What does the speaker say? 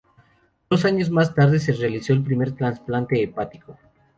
Dos años más tarde, se realizó el primer trasplante hepático.